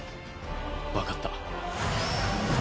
分かった。